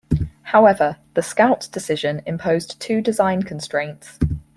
However, the Scout decision imposed two design constraints.